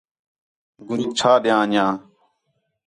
گُروک چَھا ݙیاں انڄیاں